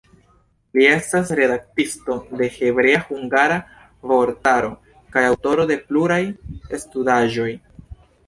Li estas la redaktisto de hebrea-hungara vortaro kaj aŭtoro de pluraj studaĵoj.